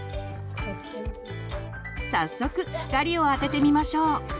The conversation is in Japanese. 早速光を当ててみましょう。